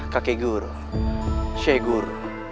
kakek guru syekh guru